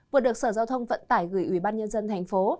vừa được sở giao thông vận tải gửi ubnd tp